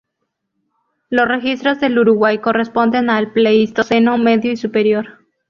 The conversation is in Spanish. Los registros del Uruguay corresponden al Pleistoceno medio y superior.